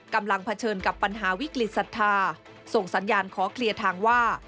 กำลังเผชิญกับปัญหาวิกฤษฎาส่งสัญญาณขอเคลียร์ทางว่า